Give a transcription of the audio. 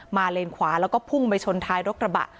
เลนขวาแล้วก็พุ่งไปชนท้ายรถกระบะ